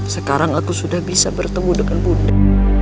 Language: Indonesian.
sekarang aku sudah bisa bertemu dengan bunda